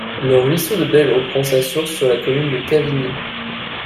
Le ruisseau de Belle-Eau prend sa source sur la commune de Cavigny.